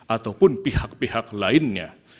ataupun pihak pihak lainnya